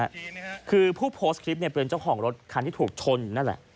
คือผู้โพสต์คลิปเนี่ยเป็นเจ้าของรถคันที่ถูกชนนั่นแหละ